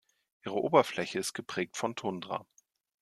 Ihre Oberfläche ist geprägt von Tundra.